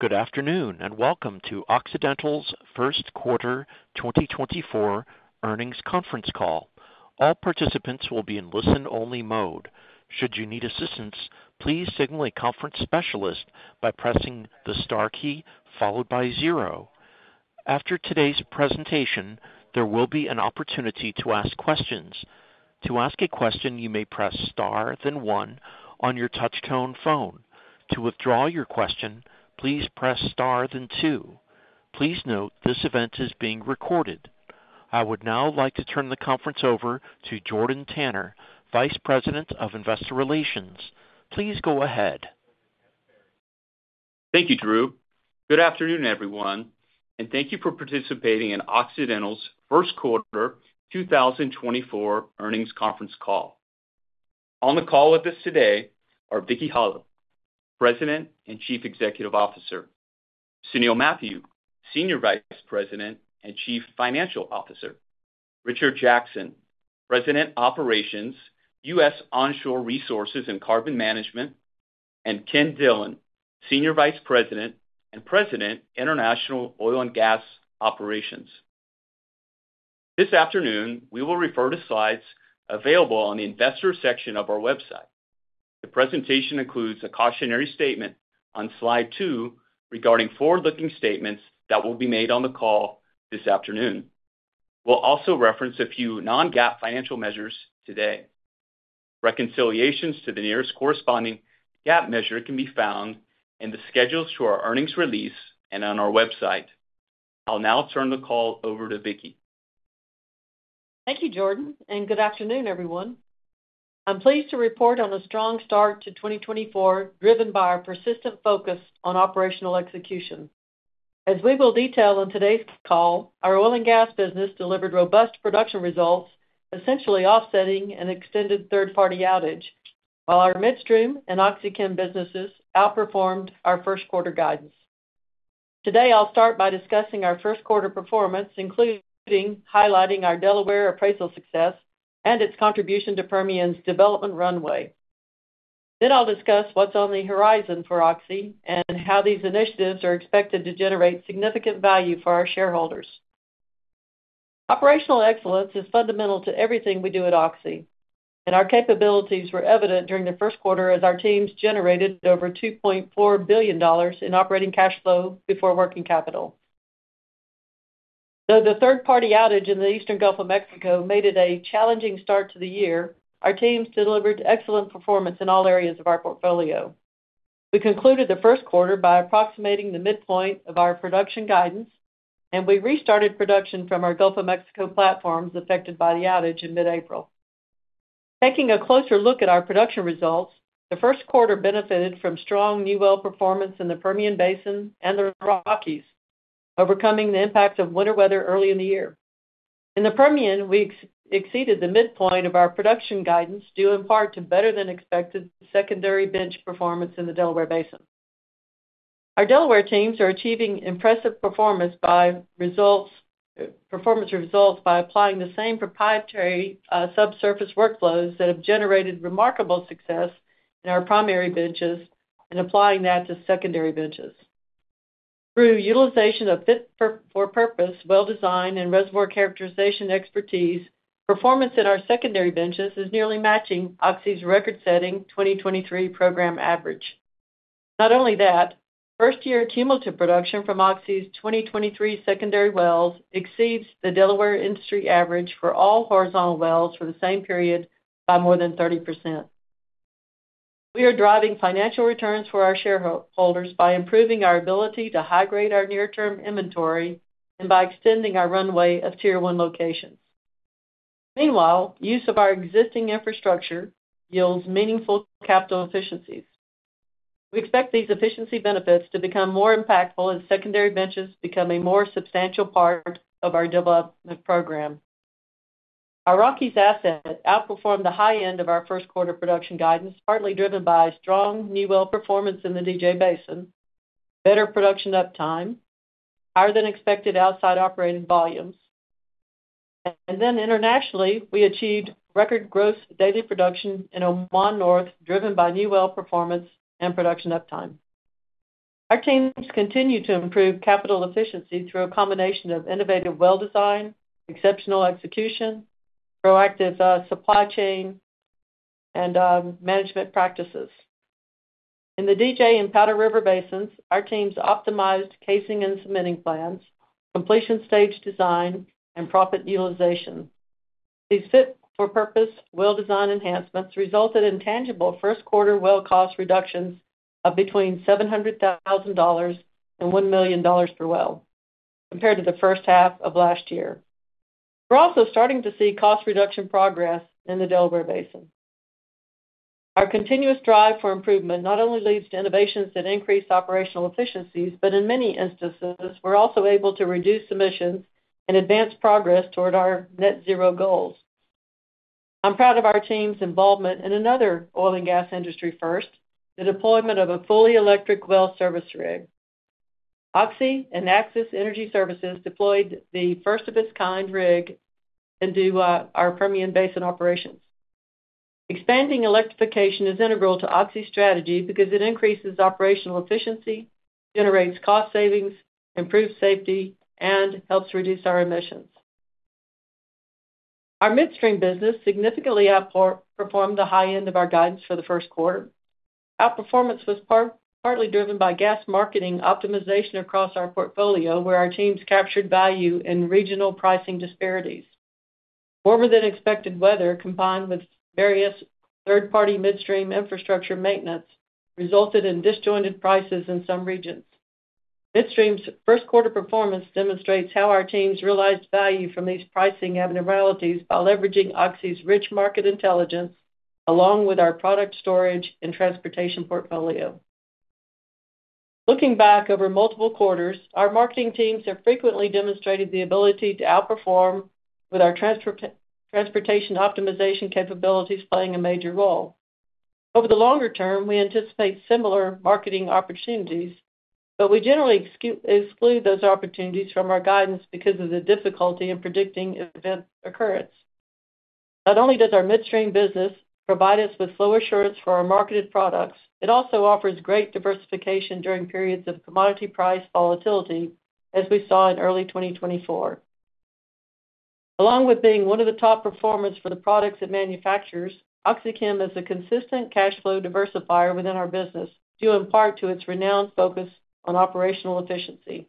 Good afternoon, and welcome to Occidental's First Quarter 2024 Earnings Conference Call. All participants will be in listen-only mode. Should you need assistance, please signal a conference specialist by pressing the star key followed by zero. After today's presentation, there will be an opportunity to ask questions. To ask a question, you may press star, then one on your touchtone phone. To withdraw your question, please press star, then two. Please note, this event is being recorded. I would now like to turn the conference over to Jordan Tanner, Vice President of Investor Relations. Please go ahead. Thank you, Drew. Good afternoon, everyone, and thank you for participating in Occidental's First Quarter 2024 earnings Conference Call. On the call with us today are Vicki Hollub, President and Chief Executive Officer, Sunil Mathew, Senior Vice President and Chief Financial Officer, Richard Jackson, President, Operations, US Onshore Resources and Carbon Management, and Ken Dillon, Senior Vice President and President, International Oil and Gas Operations. This afternoon, we will refer to slides available on the investor section of our website. The presentation includes a cautionary statement on slide two regarding forward-looking statements that will be made on the call this afternoon. We'll also reference a few non-GAAP financial measures today. Reconciliations to the nearest corresponding GAAP measure can be found in the schedules to our earnings release and on our website. I'll now turn the call over to Vicki. Thank you, Jordan, and good afternoon, everyone. I'm pleased to report on a strong start to 2024, driven by our persistent focus on operational execution. As we will detail on today's call, our oil and gas business delivered robust production results, essentially offsetting an extended third-party outage, while our midstream and OxyChem businesses outperformed our first quarter guidance. Today, I'll start by discussing our first quarter performance, including highlighting our Delaware appraisal success and its contribution to Permian's development runway. Then I'll discuss what's on the horizon for Oxy and how these initiatives are expected to generate significant value for our shareholders. Operational excellence is fundamental to everything we do at Oxy, and our capabilities were evident during the first quarter as our teams generated over $2.4 billion in operating cash flow before working capital. Though the third-party outage in the Eastern Gulf of Mexico made it a challenging start to the year, our teams delivered excellent performance in all areas of our portfolio. We concluded the first quarter by approximating the midpoint of our production guidance, and we restarted production from our Gulf of Mexico platforms affected by the outage in mid-April. Taking a closer look at our production results, the first quarter benefited from strong new well performance in the Permian Basin and the Rockies, overcoming the impact of winter weather early in the year. In the Permian, we exceeded the midpoint of our production guidance, due in part to better-than-expected secondary bench performance in the Delaware Basin. Our Delaware teams are achieving impressive performance results by applying the same proprietary subsurface workflows that have generated remarkable success in our primary benches and applying that to secondary benches. Through utilization of fit for purpose well design and reservoir characterization expertise, performance in our secondary benches is nearly matching Oxy's record-setting 2023 program average. Not only that, first-year cumulative production from Oxy's 2023 secondary wells exceeds the Delaware industry average for all horizontal wells for the same period by more than 30%. We are driving financial returns for our shareholders by improving our ability to high-grade our near-term inventory and by extending our runway of Tier 1 locations. Meanwhile, use of our existing infrastructure yields meaningful capital efficiencies. We expect these efficiency benefits to become more impactful as secondary benches become a more substantial part of our development program. Our Rockies asset outperformed the high end of our first quarter production guidance, partly driven by strong new well performance in the DJ Basin, better production uptime, higher than expected outside operated volumes. And then internationally, we achieved record gross daily production in Oman North, driven by new well performance and production uptime. Our teams continue to improve capital efficiency through a combination of innovative well design, exceptional execution, proactive supply chain and management practices. In the DJ and Powder River Basins, our teams optimized casing and cementing plans, completion stage design, and proppant utilization. These fit-for-purpose well design enhancements resulted in tangible first quarter well cost reductions of between $700,000 and $1 million per well compared to the first half of last year. We're also starting to see cost reduction progress in the Delaware Basin. Our continuous drive for improvement not only leads to innovations that increase operational efficiencies, but in many instances, we're also able to reduce emissions and advance progress toward our net zero goals. I'm proud of our team's involvement in another oil and gas industry first, the deployment of a fully electric well service rig. Oxy and Axis Energy Services deployed the first of its kind rig into our Permian Basin operations. Expanding electrification is integral to Oxy's strategy because it increases operational efficiency, generates cost savings, improves safety, and helps reduce our emissions. Our midstream business significantly outperformed the high end of our guidance for the first quarter. Outperformance was partly driven by gas marketing optimization across our portfolio, where our teams captured value in regional pricing disparities. Warmer-than-expected weather, combined with various third-party midstream infrastructure maintenance, resulted in disjointed prices in some regions. Midstream's first quarter performance demonstrates how our teams realized value from these pricing abnormalities while leveraging Oxy's rich market intelligence, along with our product storage and transportation portfolio. Looking back over multiple quarters, our marketing teams have frequently demonstrated the ability to outperform, with our transportation optimization capabilities playing a major role. Over the longer term, we anticipate similar marketing opportunities, but we generally exclude those opportunities from our guidance because of the difficulty in predicting event occurrence. Not only does our midstream business provide us with flow assurance for our marketed products, it also offers great diversification during periods of commodity price volatility, as we saw in early 2024. Along with being one of the top performers for the products it manufactures, OxyChem is a consistent cash flow diversifier within our business, due in part to its renowned focus on operational efficiency.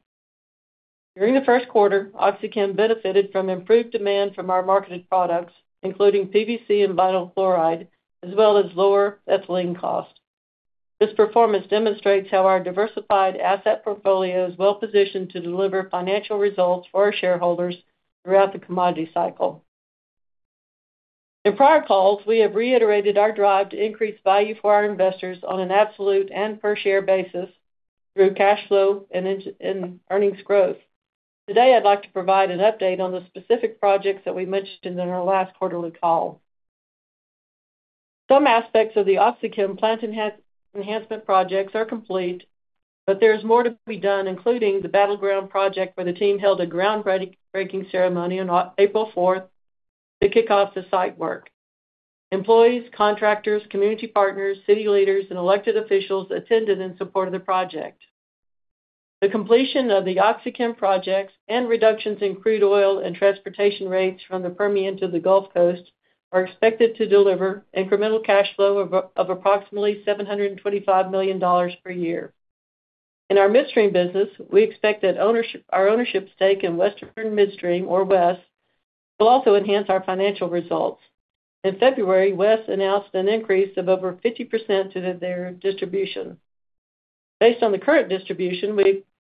During the first quarter, OxyChem benefited from improved demand from our marketed products, including PVC and vinyl chloride, as well as lower ethylene cost. This performance demonstrates how our diversified asset portfolio is well-positioned to deliver financial results for our shareholders throughout the commodity cycle. In prior calls, we have reiterated our drive to increase value for our investors on an absolute and per-share basis through cash flow and earnings growth. Today, I'd like to provide an update on the specific projects that we mentioned in our last quarterly call. Some aspects of the OxyChem plant enhancement projects are complete, but there's more to be done, including the Battleground project, where the team held a groundbreaking ceremony on April 4th to kick off the site work. Employees, contractors, community partners, city leaders, and elected officials attended in support of the project. The completion of the OxyChem projects and reductions in crude oil and transportation rates from the Permian to the Gulf Coast are expected to deliver incremental cash flow of approximately $725 million per year. In our midstream business, we expect that our ownership stake in Western Midstream, or WES, will also enhance our financial results. In February, WES announced an increase of over 50% to their distribution. Based on the current distribution,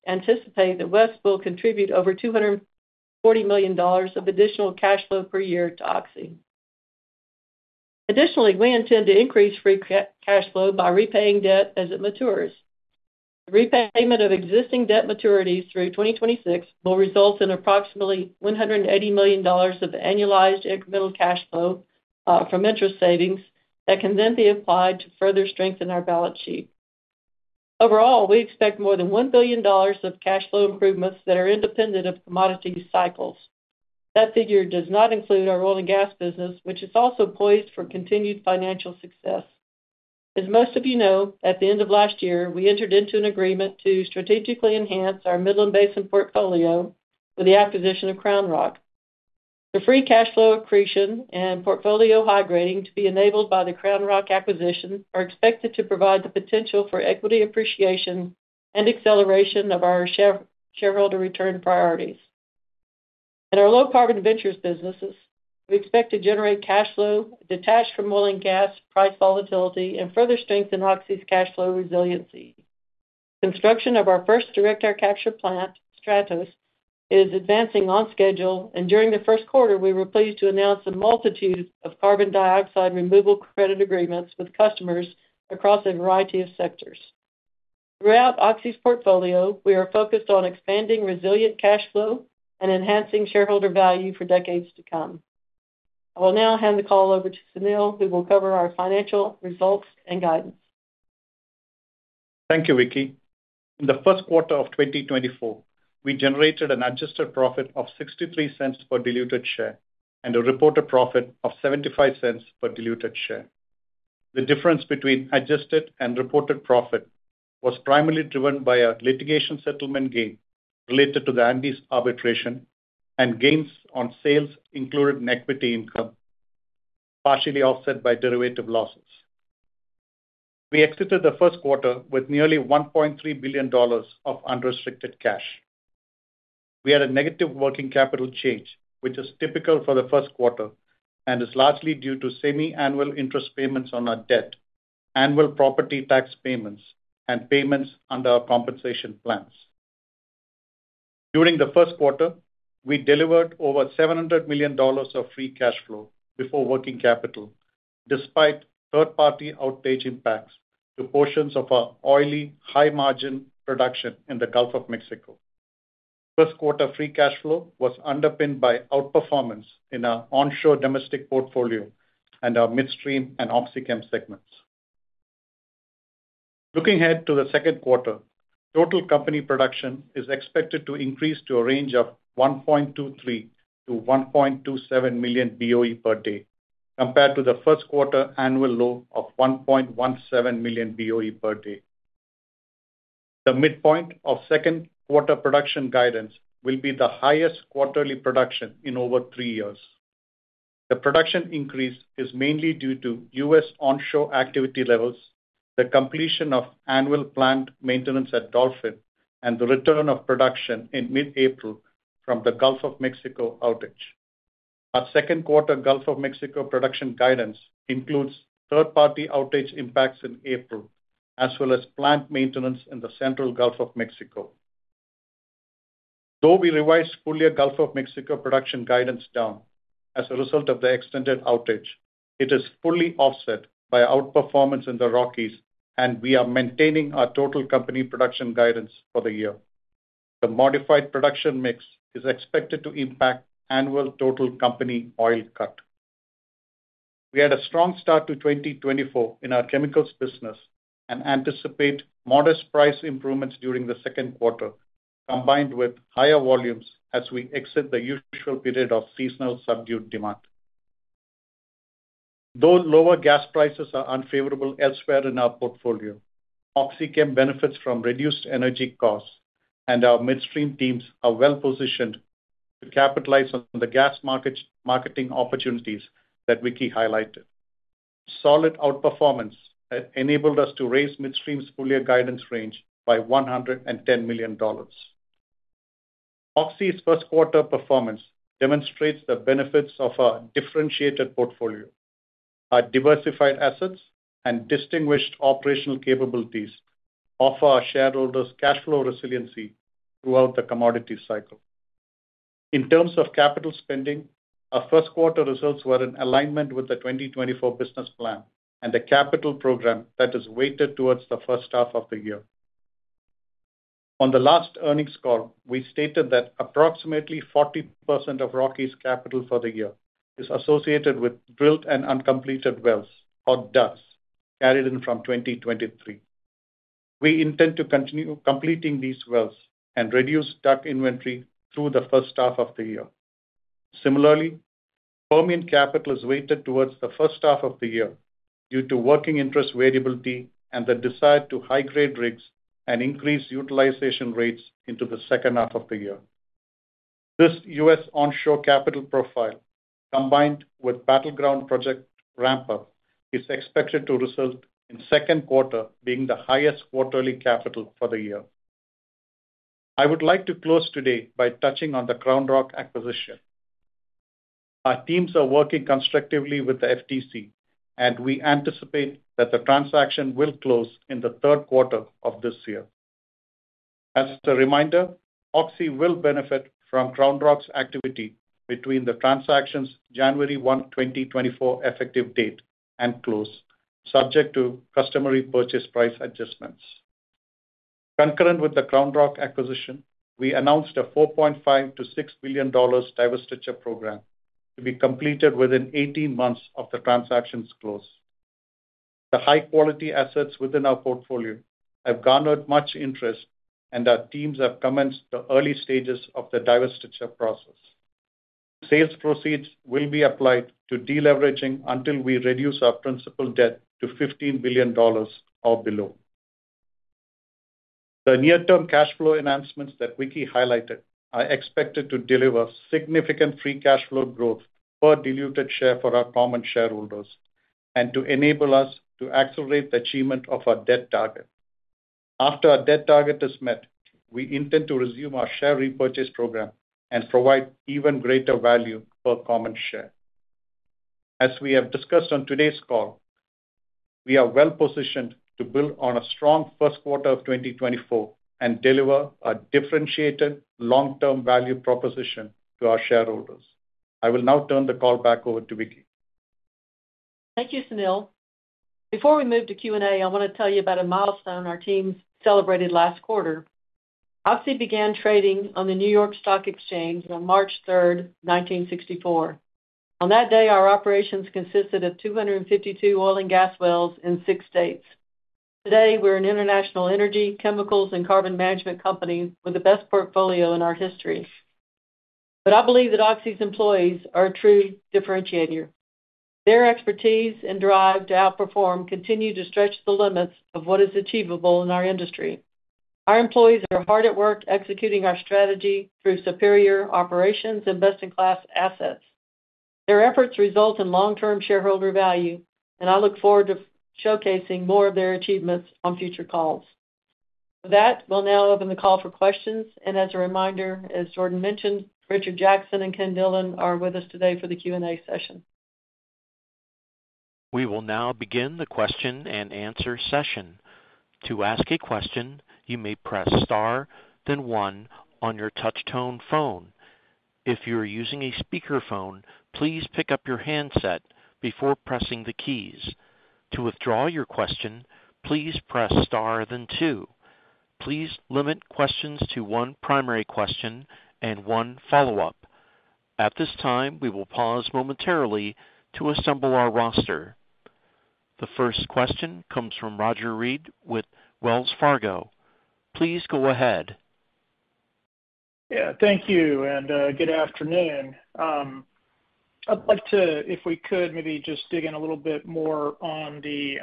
we anticipate that WES will contribute over $240 million of additional cash flow per year to Oxy. Additionally, we intend to increase free cash flow by repaying debt as it matures. Repayment of existing debt maturities through 2026 will result in approximately $180 million of annualized incremental cash flow from interest savings that can then be applied to further strengthen our balance sheet. Overall, we expect more than $1 billion of cash flow improvements that are independent of commodity cycles. That figure does not include our oil and gas business, which is also poised for continued financial success. As most of you know, at the end of last year, we entered into an agreement to strategically enhance our Midland Basin portfolio with the acquisition of CrownRock. The free cash flow accretion and portfolio high grading to be enabled by the CrownRock acquisition are expected to provide the potential for equity appreciation and acceleration of our shareholder return priorities. In our Low Carbon Ventures businesses, we expect to generate cash flow detached from oil and gas price volatility and further strengthen Oxy's cash flow resiliency. Construction of our first Direct Air Capture plant, Stratos, is advancing on schedule, and during the first quarter, we were pleased to announce a multitude of carbon dioxide removal credit agreements with customers across a variety of sectors. Throughout Oxy's portfolio, we are focused on expanding resilient cash flow and enhancing shareholder value for decades to come. I will now hand the call over to Sunil, who will cover our financial results and guidance. Thank you, Vicki. In the first quarter of 2024, we generated an adjusted profit of $0.63 per diluted share and a reported profit of $0.75 per diluted share. The difference between adjusted and reported profit was primarily driven by a litigation settlement gain related to the Andes arbitration and gains on sales, including equity income, partially offset by derivative losses. We exited the first quarter with nearly $1.3 billion of unrestricted cash. We had a negative working capital change, which is typical for the first quarter and is largely due to semiannual interest payments on our debt, annual property tax payments, and payments under our compensation plans. During the first quarter, we delivered over $700 million of free cash flow before working capital, despite third-party outage impacts to portions of our oily, high-margin production in the Gulf of Mexico. First quarter free cash flow was underpinned by outperformance in our onshore domestic portfolio and our midstream and OxyChem segments. Looking ahead to the second quarter, total company production is expected to increase to a range of 1.23-1.27 million BOE per day, compared to the first quarter annual low of 1.17 million BOE per day. The midpoint of second quarter production guidance will be the highest quarterly production in over three years. The production increase is mainly due to U.S. onshore activity levels, the completion of annual plant maintenance at Dolphin, and the return of production in mid-April from the Gulf of Mexico outage. Our second quarter Gulf of Mexico production guidance includes third-party outage impacts in April, as well as plant maintenance in the central Gulf of Mexico. Though we revised full-year Gulf of Mexico production guidance down as a result of the extended outage, it is fully offset by outperformance in the Rockies, and we are maintaining our total company production guidance for the year. The modified production mix is expected to impact annual total company oil cut. We had a strong start to 2024 in our chemicals business and anticipate modest price improvements during the second quarter, combined with higher volumes as we exit the usual period of seasonal subdued demand. Though lower gas prices are unfavorable elsewhere in our portfolio, OxyChem benefits from reduced energy costs, and our midstream teams are well positioned to capitalize on the gas marketing opportunities that Vicki highlighted. Solid outperformance has enabled us to raise midstream's full-year guidance range by $110 million. Oxy's first quarter performance demonstrates the benefits of our differentiated portfolio. Our diversified assets and distinguished operational capabilities offer our shareholders cash flow resiliency throughout the commodity cycle. In terms of capital spending, our first quarter results were in alignment with the 2024 business plan and the capital program that is weighted towards the first half of the year. On the last earnings call, we stated that approximately 40% of Rockies capital for the year is associated with drilled and uncompleted wells, or DUCs, carried in from 2023. We intend to continue completing these wells and reduce DUC inventory through the first half of the year. Similarly, Permian capital is weighted towards the first half of the year due to working interest variability and the desire to high-grade rigs and increase utilization rates into the second half of the year. This U.S. onshore capital profile, combined with Battleground project ramp-up, is expected to result in second quarter being the highest quarterly capital for the year. I would like to close today by touching on the CrownRock acquisition. Our teams are working constructively with the FTC, and we anticipate that the transaction will close in the third quarter of this year. As a reminder, Oxy will benefit from CrownRock's activity between the transaction's January 1, 2024, effective date and close, subject to customary purchase price adjustments. Concurrent with the CrownRock acquisition, we announced a $4.5 billion-$6 billion divestiture program to be completed within 18 months of the transaction's close. The high-quality assets within our portfolio have garnered much interest, and our teams have commenced the early stages of the divestiture process. Sales proceeds will be applied to deleveraging until we reduce our principal debt to $15 billion or below. The near-term cash flow enhancements that Vicki highlighted are expected to deliver significant free cash flow growth per diluted share for our common shareholders and to enable us to accelerate the achievement of our debt target. After our debt target is met, we intend to resume our share repurchase program and provide even greater value per common share. As we have discussed on today's call, we are well positioned to build on a strong first quarter of 2024 and deliver a differentiated long-term value proposition to our shareholders. I will now turn the call back over to Vicki. Thank you, Sunil. Before we move to Q&A, I want to tell you about a milestone our team celebrated last quarter. Oxy began trading on the New York Stock Exchange on March 3, 1964. On that day, our operations consisted of 252 oil and gas wells in six states. Today, we're an international energy, chemicals, and carbon management company with the best portfolio in our history. But I believe that Oxy's employees are a true differentiator. Their expertise and drive to outperform continue to stretch the limits of what is achievable in our industry. Our employees are hard at work executing our strategy through superior operations and best-in-class assets. Their efforts result in long-term shareholder value, and I look forward to showcasing more of their achievements on future calls. With that, we'll now open the call for questions. As a reminder, as Jordan mentioned, Richard Jackson and Ken Dillon are with us today for the Q&A session. We will now begin the question and answer session. To ask a question, you may press star, then one on your touch tone phone. If you are using a speakerphone, please pick up your handset before pressing the keys. To withdraw your question, please press star, then two. Please limit questions to one primary question and one follow-up. At this time, we will pause momentarily to assemble our roster. The first question comes from Roger Read with Wells Fargo. Please go ahead. Yeah, thank you, and good afternoon. I'd like to, if we could, maybe just dig in a little bit more on the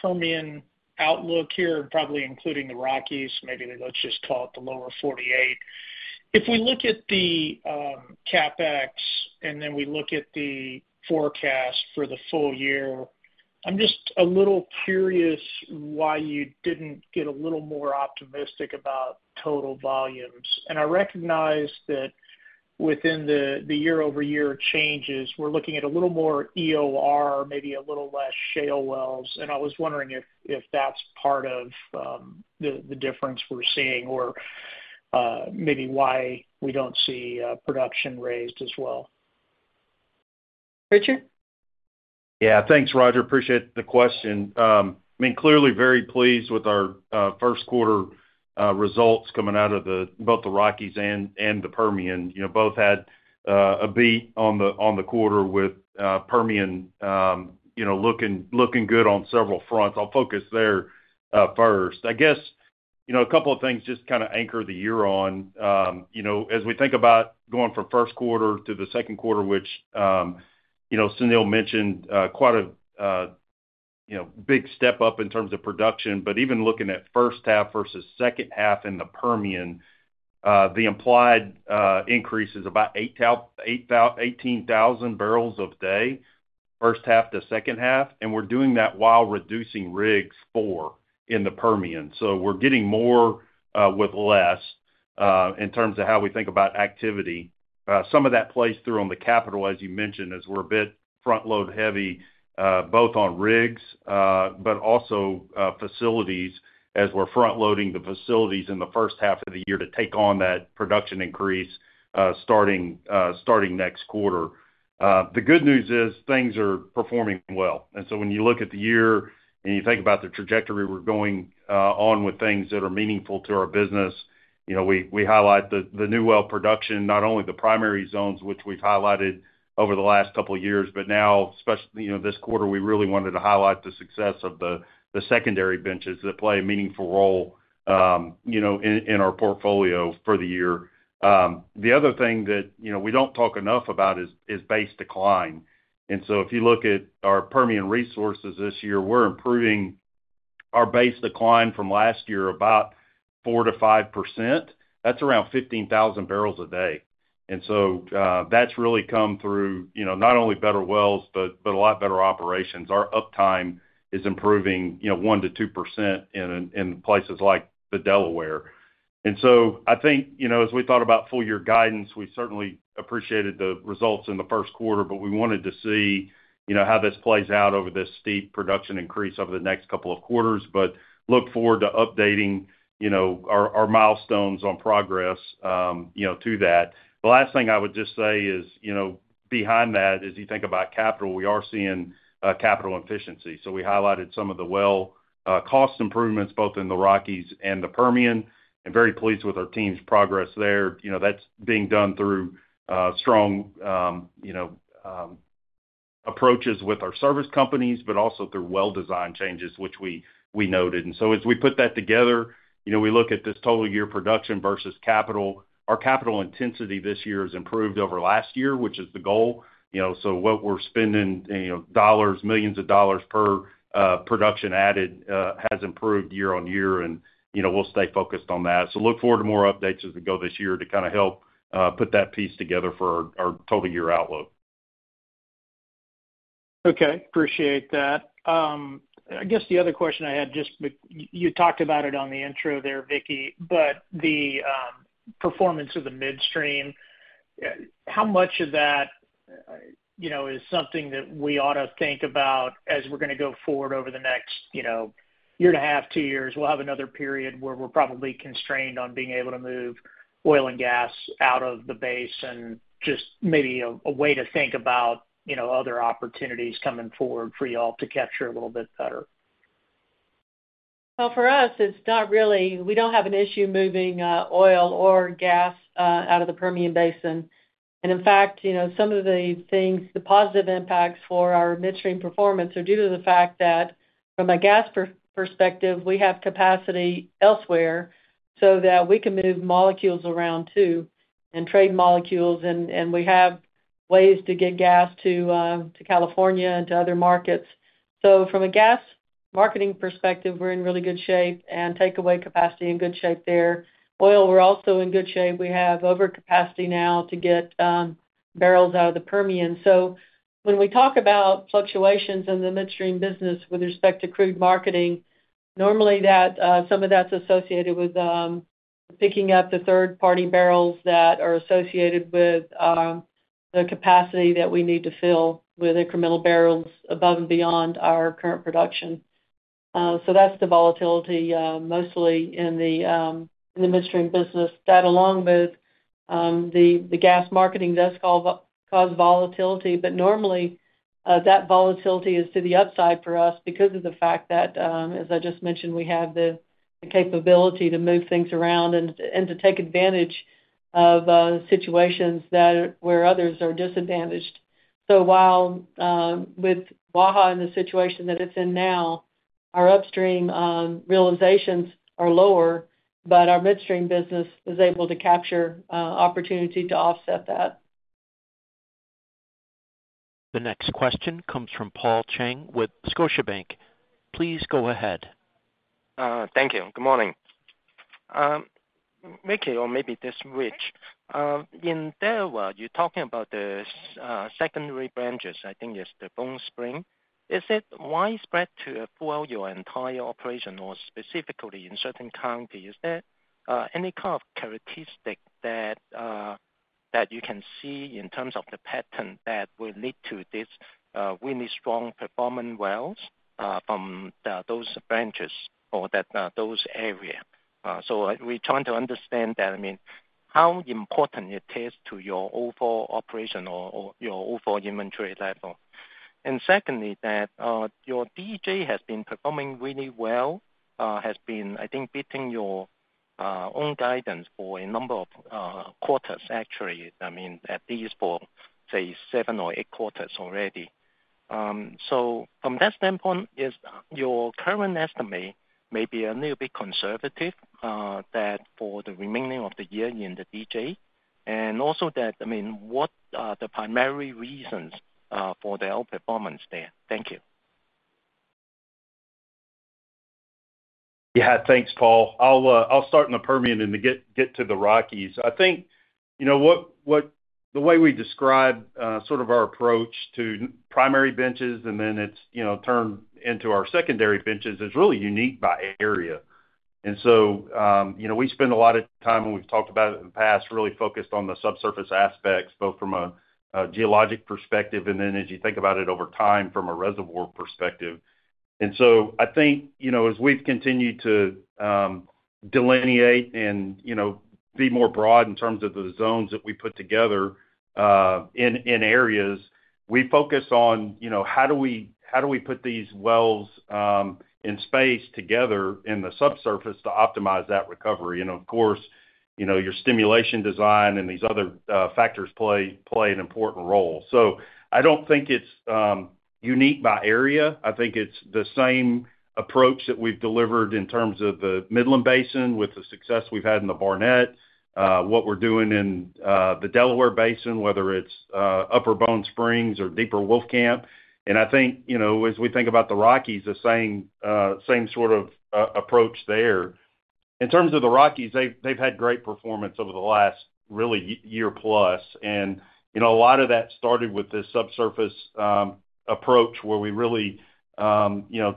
Permian outlook here, and probably including the Rockies. Maybe let's just call it the Lower 48. If we look at the CapEx, and then we look at the forecast for the full year, I'm just a little curious why you didn't get a little more optimistic about total volumes. And I recognize that within the year-over-year changes, we're looking at a little more EOR, maybe a little less shale wells. And I was wondering if that's part of the difference we're seeing or maybe why we don't see production raised as well? Richard? Yeah. Thanks, Roger. Appreciate the question. I mean, clearly very pleased with our first quarter results coming out of both the Rockies and the Permian. You know, both had a beat on the quarter with Permian you know, looking good on several fronts. I'll focus there first. I guess, you know, a couple of things just kind of anchor the year on you know, as we think about going from first quarter to the second quarter, which you know, Sunil mentioned quite a you know, big step up in terms of production. But even looking at first half versus second half in the Permian, the implied increase is about 18,000 barrels a day, first half to second half, and we're doing that while reducing rigs four in the Permian. So we're getting more with less, in terms of how we think about activity. Some of that plays through on the capital, as you mentioned, as we're a bit frontload heavy, both on rigs, but also facilities, as we're frontloading the facilities in the first half of the year to take on that production increase, starting next quarter. The good news is, things are performing well. And so when you look at the year and you think about the trajectory, we're going on with things that are meaningful to our business, you know, we highlight the new well production, not only the primary zones which we've highlighted over the last couple of years, but now, especially, you know, this quarter, we really wanted to highlight the success of the secondary benches that play a meaningful role, you know, in our portfolio for the year. The other thing that, you know, we don't talk enough about is base decline. And so if you look at our Permian resources this year, we're improving our base decline from last year, about 4%-5%. That's around 15,000 barrels a day. And so, that's really come through, you know, not only better wells, but a lot better operations. Our uptime is improving, you know, 1%-2% in places like the Delaware. And so I think, you know, as we thought about full year guidance, we certainly appreciated the results in the first quarter, but we wanted to see, you know, how this plays out over this steep production increase over the next couple of quarters. But look forward to updating, you know, our milestones on progress through that. The last thing I would just say is, you know, behind that, as you think about capital, we are seeing capital efficiency. So we highlighted some of the well cost improvements, both in the Rockies and the Permian, and very pleased with our team's progress there. You know, that's being done through strong, you know, approaches with our service companies, but also through well design changes, which we, we noted. So as we put that together, you know, we look at this total year production versus capital. Our capital intensity this year has improved over last year, which is the goal. You know, so what we're spending, you know, dollars, millions of dollars per production added has improved year-over-year, and, you know, we'll stay focused on that. So look forward to more updates as we go this year to kind of help put that piece together for our, our total year outlook. Okay. Appreciate that. I guess the other question I had, just... You talked about it on the intro there, Vicki, but the performance of the midstream, how much of that, you know, is something that we ought to think about as we're gonna go forward over the next, you know, year and a half, two years? We'll have another period where we're probably constrained on being able to move oil and gas out of the base, and just maybe a way to think about, you know, other opportunities coming forward for you all to capture a little bit better. Well, for us, it's not really—we don't have an issue moving oil or gas out of the Permian Basin. And in fact, you know, some of the things, the positive impacts for our midstream performance are due to the fact that from a gas perspective, we have capacity elsewhere so that we can move molecules around too, and trade molecules, and we have ways to get gas to California and to other markets. So from a gas marketing perspective, we're in really good shape and takeaway capacity in good shape there. Oil, we're also in good shape. We have overcapacity now to get barrels out of the Permian. So when we talk about fluctuations in the midstream business with respect to crude marketing, normally, that, some of that's associated with picking up the third-party barrels that are associated with the capacity that we need to fill with incremental barrels above and beyond our current production. So that's the volatility, mostly in the midstream business. That, along with the gas marketing does cause volatility, but normally that volatility is to the upside for us because of the fact that, as I just mentioned, we have the capability to move things around and to take advantage of situations that are where others are disadvantaged. So while with Waha in the situation that it's in now, our upstream realizations are lower, but our midstream business is able to capture opportunity to offset that. The next question comes from Paul Cheng with Scotiabank. Please go ahead. Thank you. Good morning. Vicki, or maybe this Rich, in Delaware, you're talking about this secondary benches, I think it's the Bone Spring. Is it widespread throughout your entire operation, or specifically in certain counties? Is there any kind of characteristic that that you can see in terms of the pattern that will lead to this really strong performing wells from the those benches or that those area? So we're trying to understand that. I mean, how important it is to your overall operation or your overall inventory level? And secondly, that your DJ has been performing really well, has been, I think, beating your own guidance for a number of quarters, actually, I mean, at least for, say, seven or eight quarters already. So from that standpoint, is your current estimate maybe a little bit conservative, that for the remaining of the year in the DJ? And also that, I mean, what are the primary reasons, for the outperformance there? Thank you. Yeah. Thanks, Paul. I'll start in the Permian and then get to the Rockies. I think, you know, the way we describe sort of our approach to primary benches, and then it's, you know, turned into our secondary benches, is really unique by area. And so, you know, we spend a lot of time, and we've talked about it in the past, really focused on the subsurface aspects, both from a geologic perspective, and then as you think about it over time, from a reservoir perspective. And so I think, you know, as we've continued to delineate and, you know, be more broad in terms of the zones that we put together, in areas, we focus on, you know, how do we put these wells in space together in the subsurface to optimize that recovery? Of course, you know, your stimulation design and these other factors play an important role. So I don't think it's unique by area. I think it's the same approach that we've delivered in terms of the Midland Basin with the success we've had in the Barnett, what we're doing in the Delaware Basin, whether it's Upper Bone Spring or deeper Wolfcamp. And I think, you know, as we think about the Rockies, the same sort of approach there. In terms of the Rockies, they've had great performance over the last, really, year plus. And, you know, a lot of that started with this subsurface approach, where we really you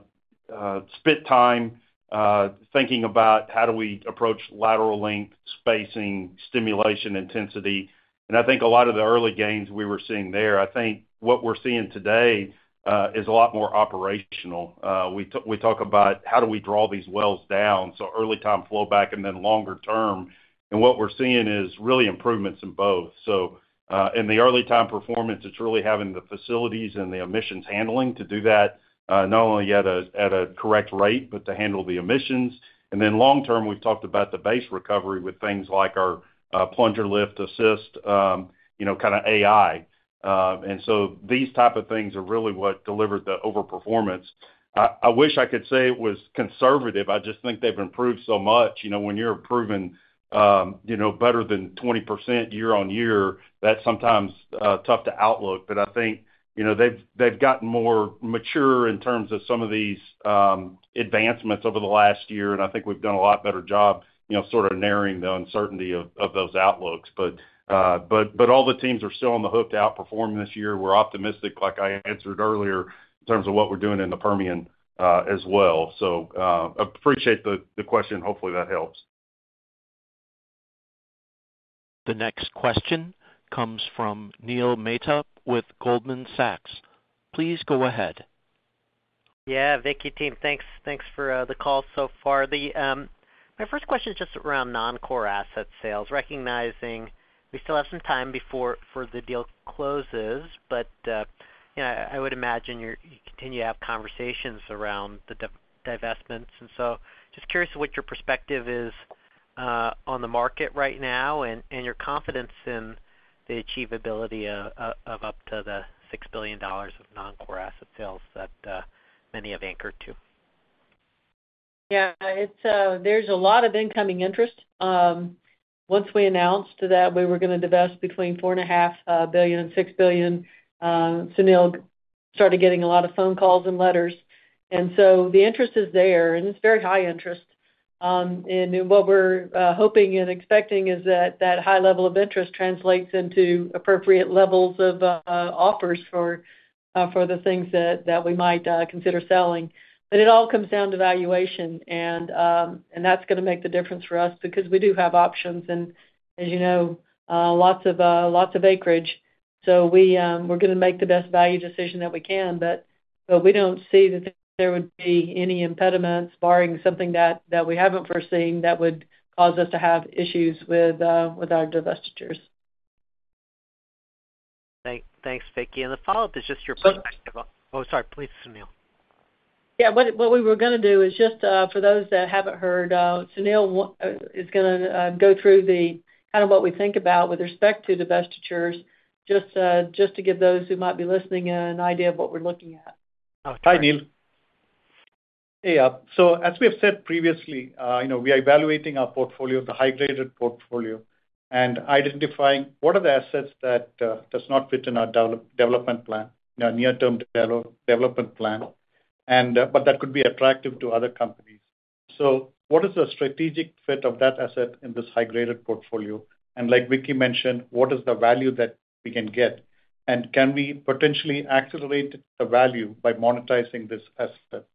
know spent time thinking about how do we approach lateral length, spacing, stimulation, intensity. And I think a lot of the early gains we were seeing there, I think what we're seeing today, is a lot more operational. We talk about how do we draw these wells down, so early time flowback and then longer term. And what we're seeing is really improvements in both. So, in the early time performance, it's really having the facilities and the emissions handling to do that, not only at a correct rate, but to handle the emissions. And then long term, we've talked about the base recovery with things like our plunger lift assist, you know, kind of AI. And so these type of things are really what delivered the overperformance. I wish I could say it was conservative. I just think they've improved so much. You know, when you're improving, you know, better than 20% year-on-year, that's sometimes tough to outlook. But I think, you know, they've, they've gotten more mature in terms of some of these advancements over the last year, and I think we've done a lot better job, you know, sort of narrowing the uncertainty of, of those outlooks. But, but, but all the teams are still on the hook to outperform this year. We're optimistic, like I answered earlier, in terms of what we're doing in the Permian, as well. So, appreciate the, the question. Hopefully, that helps. The next question comes from Neil Mehta with Goldman Sachs. Please go ahead. Yeah, Vicki, team, thanks for the call so far. My first question is just around non-core asset sales, recognizing we still have some time before the deal closes, but you know, I would imagine you continue to have conversations around the divestments. And so just curious what your perspective is on the market right now and your confidence in the achievability of up to $6 billion of non-core asset sales that many have anchored to. Yeah, it's, there's a lot of incoming interest. Once we announced that we were gonna divest between $4.5 billion and $6 billion, Sunil started getting a lot of phone calls and letters. And so the interest is there, and it's very high interest. And what we're hoping and expecting is that that high level of interest translates into appropriate levels of offers for the things that we might consider selling. But it all comes down to valuation, and that's gonna make the difference for us because we do have options, and as you know, lots of acreage. So we're gonna make the best value decision that we can. But-... So we don't see that there would be any impediments barring something that we haven't foreseen that would cause us to have issues with our divestitures. Thanks, Vicki. The follow-up is just your perspective on-- Oh, sorry, please, Sunil. Yeah, what we were gonna do is just for those that haven't heard, Sunil is gonna go through the kind of what we think about with respect to divestitures, just to give those who might be listening in an idea of what we're looking at. Hi, Neil. Hey, so as we have said previously, you know, we are evaluating our portfolio, the high-graded portfolio, and identifying what are the assets that does not fit in our development plan, our near-term development plan, and but that could be attractive to other companies. So what is the strategic fit of that asset in this high-graded portfolio? And like Vicki mentioned, what is the value that we can get? And can we potentially accelerate the value by monetizing this asset?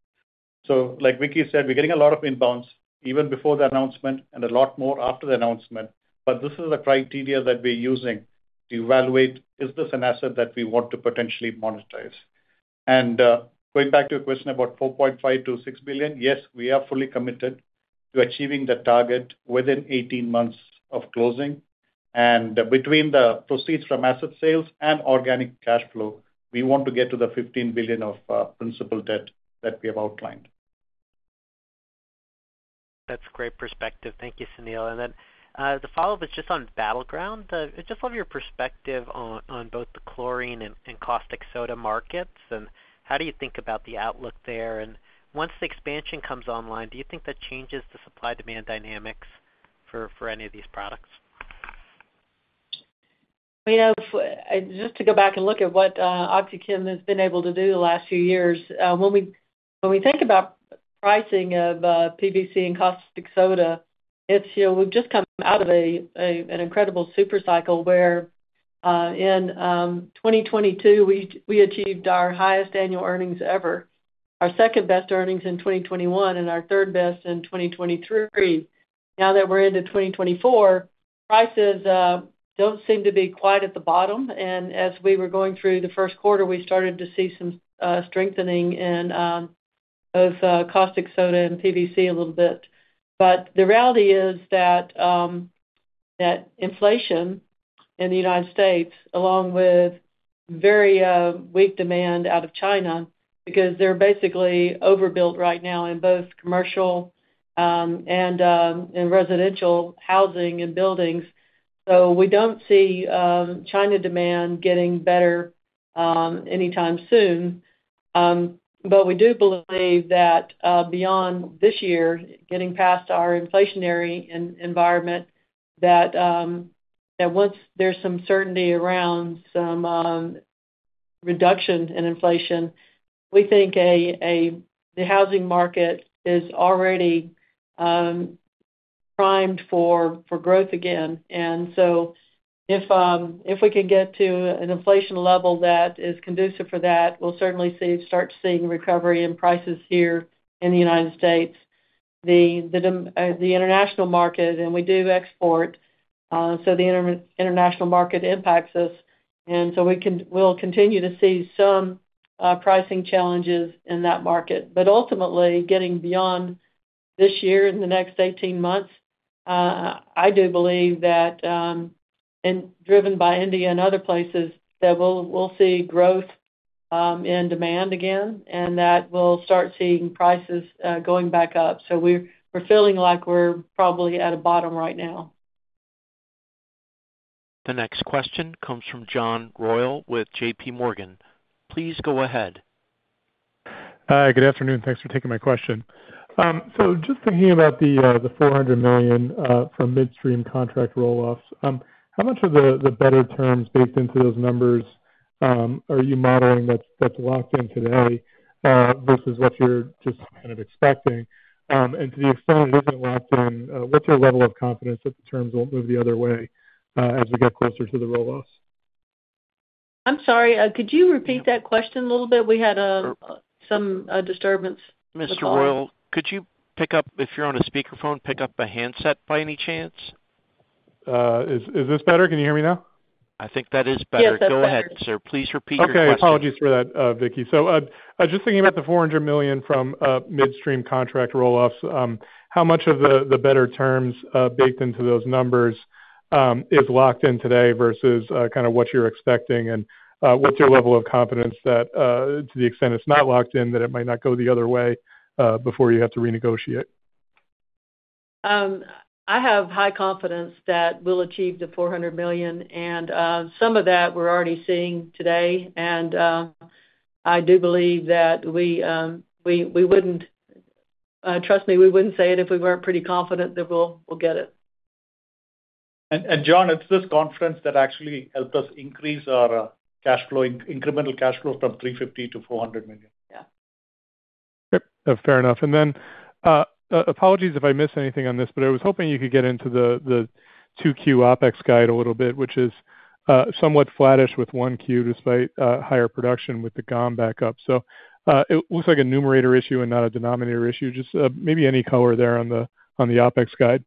So like Vicki said, we're getting a lot of inbounds even before the announcement and a lot more after the announcement. But this is the criteria that we're using to evaluate, is this an asset that we want to potentially monetize? Going back to your question about $4.5 billion-$6 billion, yes, we are fully committed to achieving the target within 18 months of closing. Between the proceeds from asset sales and organic cash flow, we want to get to the $15 billion of principal debt that we have outlined. That's great perspective. Thank you, Sunil. And then, the follow-up is just on Battleground. I'd just love your perspective on, on both the chlorine and, and caustic soda markets. And how do you think about the outlook there? And once the expansion comes online, do you think that changes the supply-demand dynamics for, for any of these products? You know, just to go back and look at what, OxyChem has been able to do the last few years, when we, when we think about pricing of, PVC and caustic soda, it's, you know, we've just come out of a, an incredible super cycle where, in, 2022, we, we achieved our highest annual earnings ever, our second-best earnings in 2021, and our third best in 2023. Now that we're into 2024, prices, don't seem to be quite at the bottom, and as we were going through the first quarter, we started to see some, strengthening in, both, caustic soda and PVC a little bit. But the reality is that inflation in the United States, along with very weak demand out of China, because they're basically overbuilt right now in both commercial and residential housing and buildings. So we don't see China demand getting better anytime soon. But we do believe that beyond this year, getting past our inflationary environment, that once there's some certainty around some reduction in inflation, we think the housing market is already primed for growth again. And so if we can get to an inflation level that is conducive for that, we'll certainly start seeing recovery in prices here in the United States. The international market, and we do export, so the international market impacts us, and so we'll continue to see some pricing challenges in that market. But ultimately, getting beyond this year, in the next 18 months, I do believe that, and driven by India and other places, that we'll see growth in demand again, and that we'll start seeing prices going back up. So we're feeling like we're probably at a bottom right now. The next question comes from John Royall with JP Morgan. Please go ahead. Hi, good afternoon. Thanks for taking my question. So just thinking about the $400 million from midstream contract roll-offs, how much of the better terms baked into those numbers are you modeling that's locked in today versus what you're just kind of expecting? And to the extent it isn't locked in, what's your level of confidence that the terms won't move the other way as we get closer to the roll-offs? I'm sorry, could you repeat that question a little bit? We had some disturbance with the line. Mr. Royall, could you pick up, if you're on a speakerphone, pick up a handset by any chance? Is this better? Can you hear me now? I think that is better. Yes, that's better. Go ahead, sir. Please repeat your question. Okay, apologies for that, Vicki. So, just thinking about the $400 million from midstream contract roll-offs, how much of the, the better terms baked into those numbers is locked in today versus kind of what you're expecting? And, what's your level of confidence that, to the extent it's not locked in, that it might not go the other way before you have to renegotiate? I have high confidence that we'll achieve the $400 million, and some of that we're already seeing today. And I do believe that we wouldn't, trust me, we wouldn't say it if we weren't pretty confident that we'll get it. John, it's this conference that actually helped us increase our cash flow, incremental cash flow from $350 million to $400 million. Yeah. Yep, fair enough. And then, apologies if I missed anything on this, but I was hoping you could get into the, the 2Q OpEx guide a little bit, which is, somewhat flattish with 1Q, despite, higher production with the GOM back up. So, it looks like a numerator issue and not a denominator issue. Just, maybe any color there on the, on the OpEx guide? ...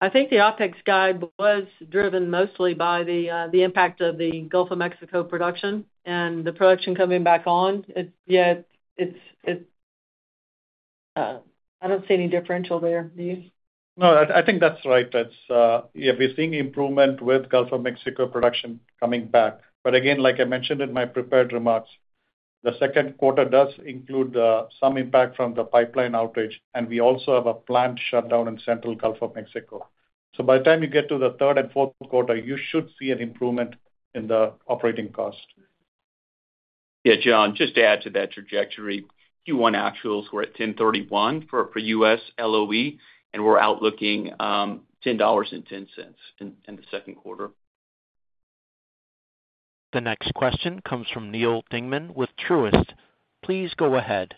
I think the OpEx guide was driven mostly by the impact of the Gulf of Mexico production and the production coming back on. It, yeah, it's, I don't see any differential there. Do you? No, I, I think that's right. That's, yeah, we're seeing improvement with Gulf of Mexico production coming back. But again, like I mentioned in my prepared remarks, the second quarter does include, some impact from the pipeline outage, and we also have a planned shutdown in central Gulf of Mexico. So by the time you get to the third and fourth quarter, you should see an improvement in the operating cost. Yeah, John, just to add to that trajectory, Q1 actuals were at $10.31 for U.S. LOE, and we're outlooking $10.10 in the second quarter. The next question comes from Neal Dingmann with Truist. Please go ahead.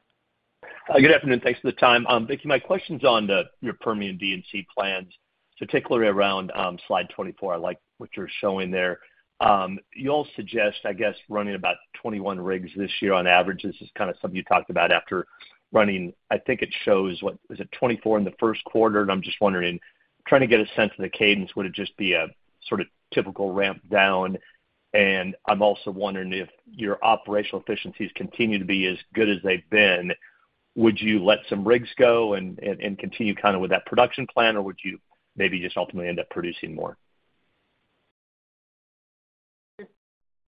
Good afternoon. Thanks for the time. Vicki, my question's on your Permian D&C plans, particularly around slide 24. I like what you're showing there. You all suggest, I guess, running about 21 rigs this year on average. This is kind of something you talked about after running... I think it shows, what, is it 24 in the first quarter? And I'm just wondering, trying to get a sense of the cadence, would it just be a sort of typical ramp down? And I'm also wondering if your operational efficiencies continue to be as good as they've been, would you let some rigs go and, and, and continue kind of with that production plan? Or would you maybe just ultimately end up producing more?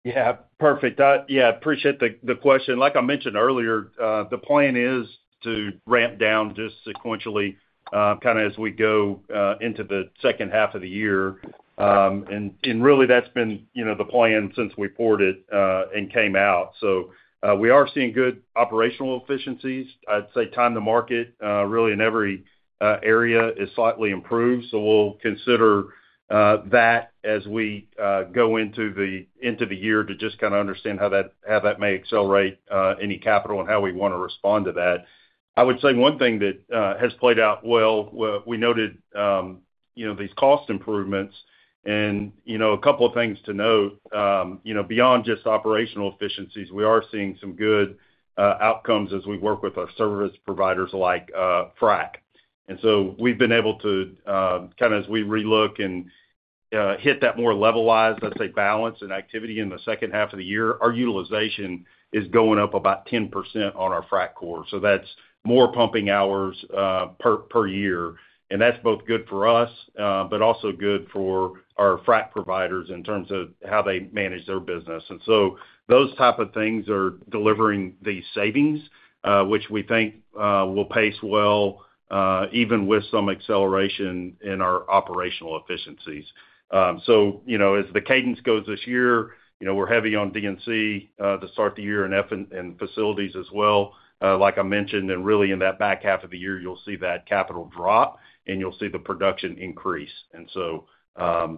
Yeah, perfect. Yeah, appreciate the question. Like I mentioned earlier, the plan is to ramp down just sequentially, kind of as we go into the second half of the year. And really, that's been, you know, the plan since we poured it and came out. So, we are seeing good operational efficiencies. I'd say time to market really in every area is slightly improved. So we'll consider that as we go into the year to just kind of understand how that may accelerate any capital and how we want to respond to that. I would say one thing that has played out well, where we noted, you know, these cost improvements. You know, a couple of things to note, you know, beyond just operational efficiencies, we are seeing some good outcomes as we work with our service providers, like Frac. And so we've been able to, kind of as we relook and hit that more level-wise, let's say, balance and activity in the second half of the year, our utilization is going up about 10% on our Frac core. So that's more pumping hours per year. And that's both good for us, but also good for our Frac providers in terms of how they manage their business. And so those type of things are delivering these savings, which we think will pace well even with some acceleration in our operational efficiencies. So, you know, as the cadence goes this year, you know, we're heavy on DNC to start the year and facilities as well. Like I mentioned, and really in that back half of the year, you'll see that capital drop, and you'll see the production increase. And so,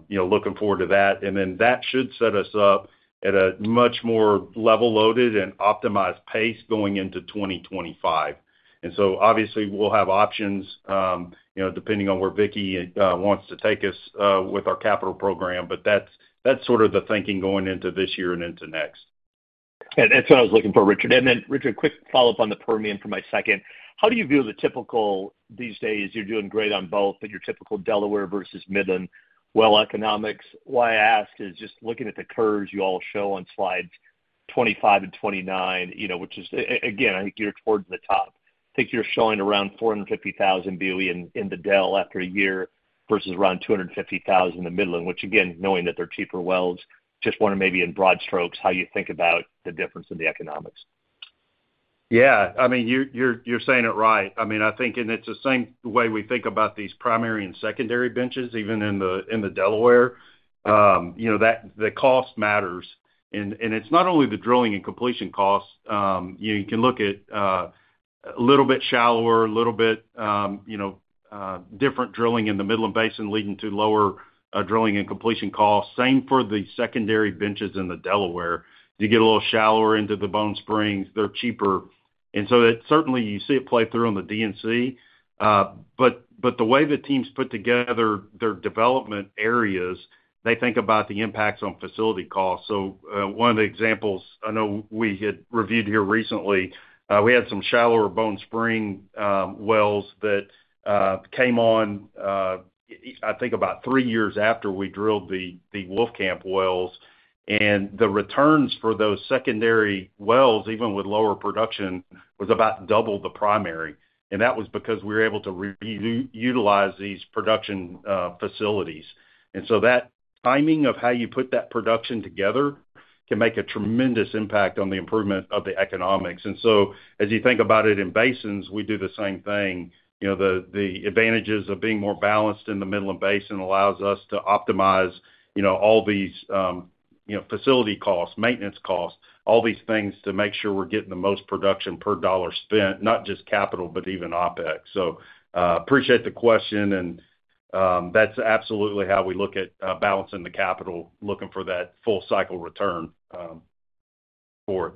you know, looking forward to that. And then that should set us up at a much more level-loaded and optimized pace going into 2025. And so obviously, we'll have options, you know, depending on where Vicki wants to take us with our capital program, but that's, that's sort of the thinking going into this year and into next. That's what I was looking for, Richard. Then, Richard, quick follow-up on the Permian for my second. How do you view the typical... These days, you're doing great on both, but your typical Delaware versus Midland well economics. Why I ask is just looking at the curves you all show on slides 25 and 29, you know, which is, again, I think you're towards the top. I think you're showing around 450,000 BOE in the Dell after a year versus around 250,000 in the Midland, which again, knowing that they're cheaper wells, just want to maybe in broad strokes, how you think about the difference in the economics. Yeah. I mean, you're saying it right. I mean, I think, and it's the same way we think about these primary and secondary benches, even in the Delaware. You know, the cost matters. And it's not only the drilling and completion costs. You can look at a little bit shallower, a little bit, you know, different drilling in the Midland Basin, leading to lower drilling and completion costs. Same for the secondary benches in the Delaware. You get a little shallower into the Bone Spring, they're cheaper. And so it certainly, you see it play through on the DNC. But the way the teams put together their development areas, they think about the impacts on facility costs. So, one of the examples, I know we had reviewed here recently, we had some shallower Bone Spring wells that came on, I think about three years after we drilled the Wolfcamp wells. And the returns for those secondary wells, even with lower production, was about double the primary, and that was because we were able to re-utilize these production facilities. And so that timing of how you put that production together can make a tremendous impact on the improvement of the economics. And so as you think about it in basins, we do the same thing. You know, the advantages of being more balanced in the Midland Basin allows us to optimize, you know, all these, you know, facility costs, maintenance costs, all these things to make sure we're getting the most production per dollar spent, not just capital, but even OpEx. So, appreciate the question, and, that's absolutely how we look at, balancing the capital, looking for that full cycle return, forward.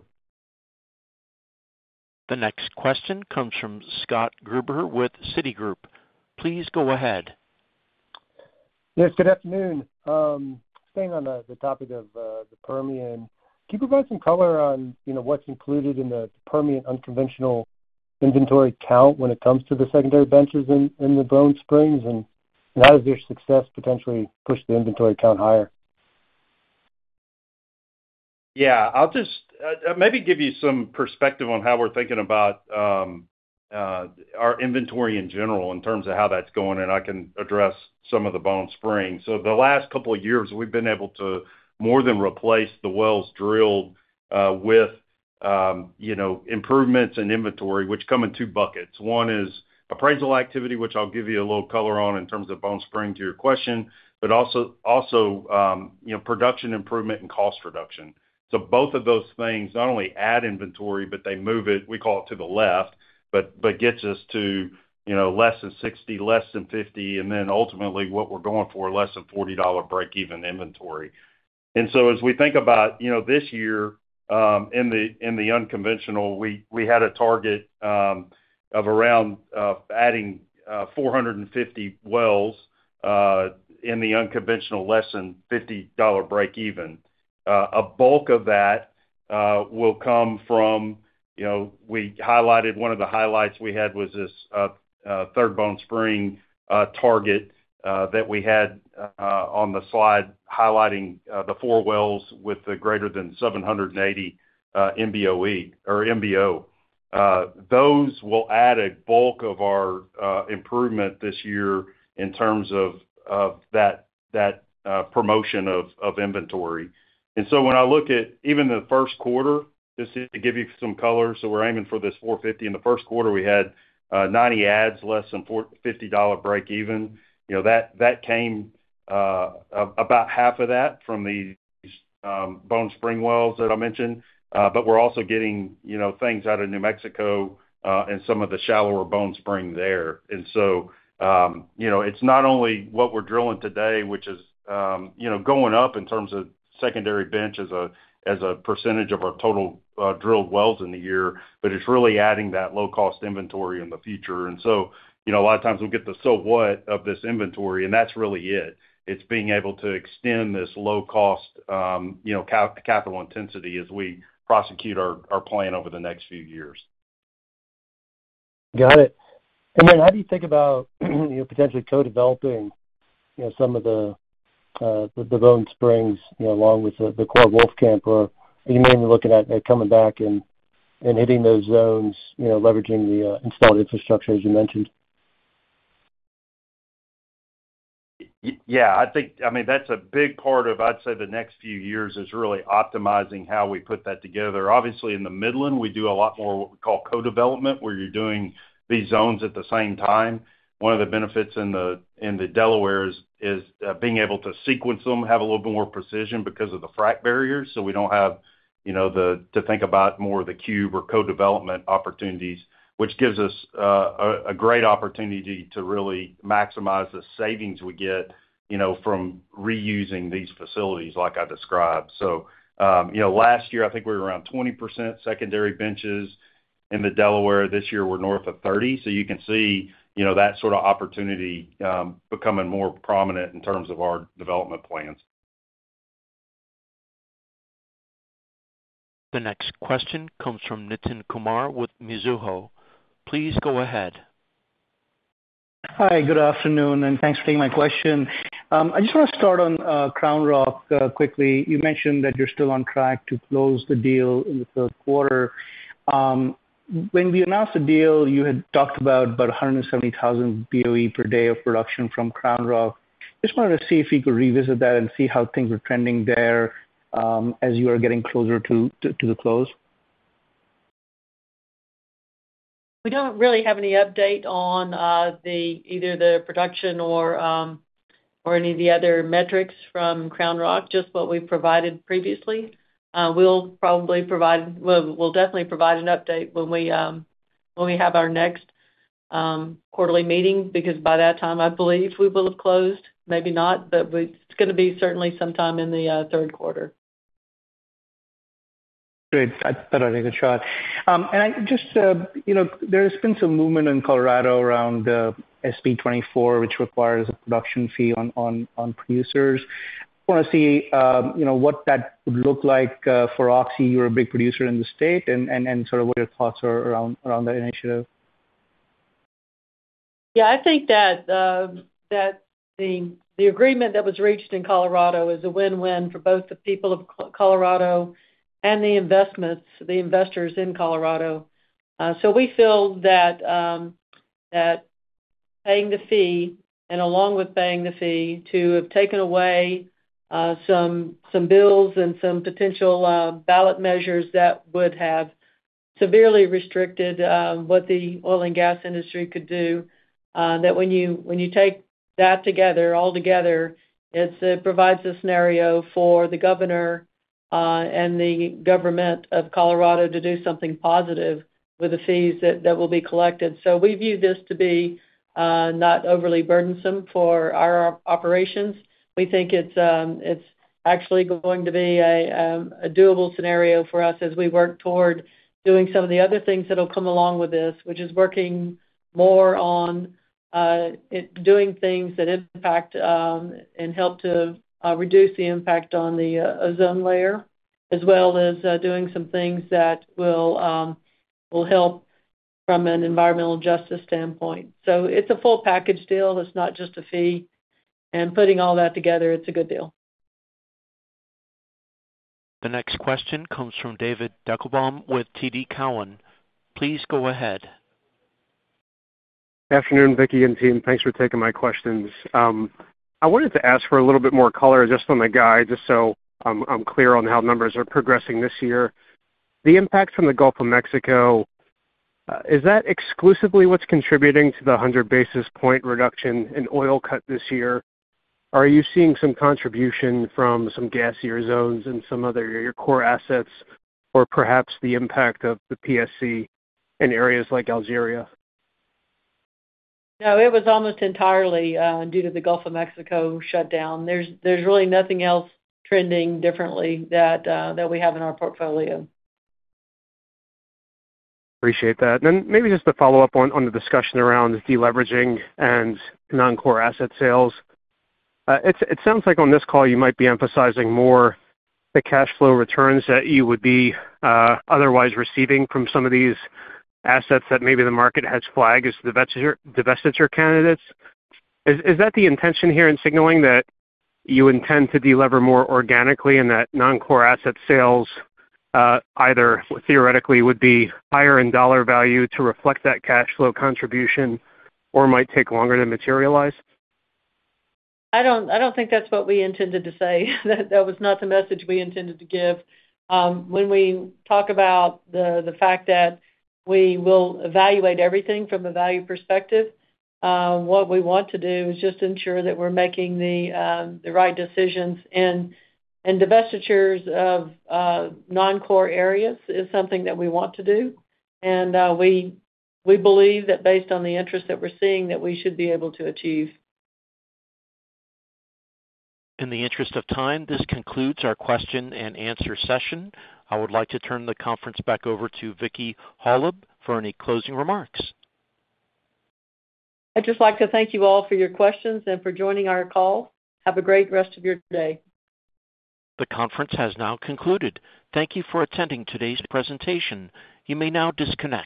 The next question comes from Scott Gruber with Citigroup. Please go ahead.... Yes, good afternoon. Staying on the topic of the Permian, can you provide some color on, you know, what's included in the Permian unconventional inventory count when it comes to the secondary benches in the Bone Spring? And how does their success potentially push the inventory count higher? Yeah, I'll just maybe give you some perspective on how we're thinking about our inventory in general, in terms of how that's going, and I can address some of the Bone Spring. So the last couple of years, we've been able to more than replace the wells drilled with, you know, improvements in inventory, which come in two buckets. One is appraisal activity, which I'll give you a little color on in terms of Bone Spring, to your question. But also, you know, production improvement and cost reduction. So both of those things not only add inventory, but they move it, we call it, to the left, but gets us to, you know, less than $60, less than $50, and then ultimately, what we're going for, less than $40 breakeven inventory. As we think about, you know, this year, in the unconventional, we had a target of around adding 450 wells in the unconventional, less than $50 breakeven. A bulk of that will come from, you know, we highlighted one of the highlights we had was this third Bone Spring target that we had on the slide, highlighting the four wells with greater than 780 MBOE or MBO. Those will add a bulk of our improvement this year in terms of that promotion of inventory. When I look at even the first quarter, just to give you some color, we're aiming for this 450. In the first quarter, we had 90 adds, less than $450 breakeven. You know, that came about half of that from these Bone Spring wells that I mentioned. But we're also getting, you know, things out of New Mexico and some of the shallower Bone Spring there. So you know, it's not only what we're drilling today, which is going up in terms of secondary bench as a percentage of our total drilled wells in the year, but it's really adding that low-cost inventory in the future. So you know, a lot of times we'll get the "So what?" of this inventory, and that's really it. It's being able to extend this low-cost capital intensity as we prosecute our plan over the next few years. Got it. And then how do you think about, you know, potentially co-developing, you know, some of the, the Bone Springs, you know, along with the, the Core Wolfcamp? Or you mainly looking at, at coming back and, and hitting those zones, you know, leveraging the, installed infrastructure, as you mentioned? Yeah, I think, I mean, that's a big part of, I'd say, the next few years is really optimizing how we put that together. Obviously, in the Midland, we do a lot more what we call co-development, where you're doing these zones at the same time. One of the benefits in the Delaware is being able to sequence them, have a little bit more precision because of the frack barriers, so we don't have, you know, to think about more of the cube or co-development opportunities. Which gives us a great opportunity to really maximize the savings we get, you know, from reusing these facilities like I described. So, you know, last year, I think we were around 20% secondary benches in the Delaware. This year, we're north of 30%. You can see, you know, that sort of opportunity becoming more prominent in terms of our development plans. The next question comes from Nitin Kumar with Mizuho. Please go ahead. Hi, good afternoon, and thanks for taking my question. I just wanna start on CrownRock quickly. You mentioned that you're still on track to close the deal in the third quarter. When we announced the deal, you had talked about 170,000 BOE per day of production from CrownRock. Just wanted to see if you could revisit that and see how things are trending there, as you are getting closer to the close. We don't really have any update on either the production or any of the other metrics from CrownRock, just what we've provided previously. We'll probably provide—we, we'll definitely provide an update when we have our next quarterly meeting, because by that time, I believe we will have closed. Maybe not, but we—It's gonna be certainly sometime in the third quarter. Great. I thought I'd take a shot. And I just, you know, there's been some movement in Colorado around the SB 24, which requires a production fee on producers. I wanna see, you know, what that would look like for Oxy. You're a big producer in the state, and sort of what your thoughts are around that initiative. Yeah, I think that the agreement that was reached in Colorado is a win-win for both the people of Colorado and the investors in Colorado. So we feel that paying the fee, and along with paying the fee, to have taken away some bills and some potential ballot measures that would have severely restricted what the oil and gas industry could do. That when you take that together, all together, it's provides a scenario for the governor and the government of Colorado to do something positive with the fees that will be collected. So we view this to be not overly burdensome for our operations. We think it's actually going to be a doable scenario for us as we work toward doing some of the other things that'll come along with this, which is working more on doing things that impact and help to reduce the impact on the ozone layer... as well as doing some things that will help from an environmental justice standpoint. So it's a full package deal, it's not just a fee, and putting all that together, it's a good deal. The next question comes from David Deckelbaum with TD Cowen. Please go ahead. Good afternoon, Vicki and team. Thanks for taking my questions. I wanted to ask for a little bit more color just on the guide, just so I'm, I'm clear on how numbers are progressing this year. The impact from the Gulf of Mexico, is that exclusively what's contributing to the 100 basis point reduction in oil cut this year? Are you seeing some contribution from some gassier zones and some other of your core assets, or perhaps the impact of the PSC in areas like Algeria? No, it was almost entirely due to the Gulf of Mexico shutdown. There's really nothing else trending differently that we have in our portfolio. Appreciate that. Then maybe just to follow up on the discussion around deleveraging and non-core asset sales. It sounds like on this call you might be emphasizing more the cash flow returns that you would be otherwise receiving from some of these assets that maybe the market has flagged as divestiture candidates. Is that the intention here in signaling that you intend to delever more organically, and that non-core asset sales either theoretically would be higher in dollar value to reflect that cash flow contribution or might take longer to materialize? I don't think that's what we intended to say. That was not the message we intended to give. When we talk about the fact that we will evaluate everything from a value perspective, what we want to do is just ensure that we're making the right decisions. And divestitures of non-core areas is something that we want to do, and we believe that based on the interest that we're seeing, that we should be able to achieve. In the interest of time, this concludes our question-and-answer session. I would like to turn the conference back over to Vicki Hollub for any closing remarks. I'd just like to thank you all for your questions and for joining our call. Have a great rest of your day. The conference has now concluded. Thank you for attending today's presentation. You may now disconnect.